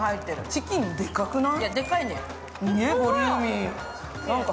チキン、でかくない？